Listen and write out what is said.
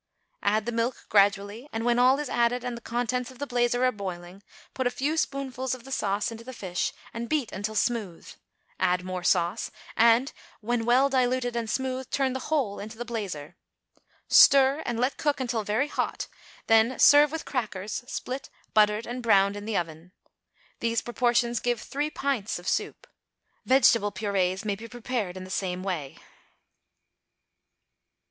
Add the milk gradually, and, when all is added and the contents of the blazer are boiling, put a few spoonfuls of the sauce into the fish and beat until smooth; add more sauce, and, when well diluted and smooth, turn the whole into the blazer. Stir, and let cook until very hot; then serve with crackers, split, buttered, and browned in the oven. These proportions give three pints of soup. Vegetable purées may be prepared in the same way.